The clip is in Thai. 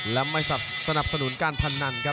และไม่สนับสนุนการพนันครับ